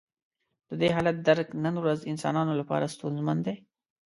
د دې حالت درک نن ورځ انسانانو لپاره ستونزمن دی.